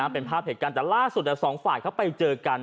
เป็นภาพเหตุการณ์แต่ล่าสุดสองฝ่ายเขาไปเจอกัน